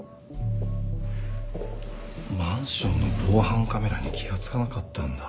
マンションの防犯カメラに気が付かなかったんだ？